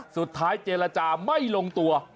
สุดท้ายเจรจาไม่ลงตัว